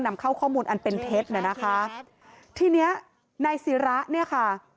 นำเข้าข้อมูลอันเป็นเท็จน่ะนะคะทีเนี้ยนายศิระเนี่ยค่ะ